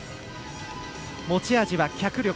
持ち味は脚力。